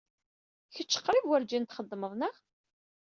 Kecc qrib werjin txeddmed, naɣ?